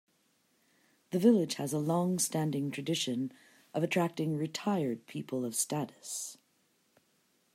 The village has a long-standing tradition of attracting "retired people of status".